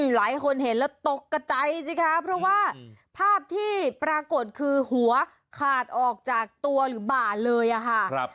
หลายคนเห็นแล้วตกกระใจสิคะเพราะว่าภาพที่ปรากฏคือหัวขาดออกจากตัวหรือบ่าเลยค่ะ